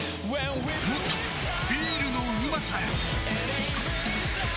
もっとビールのうまさへ！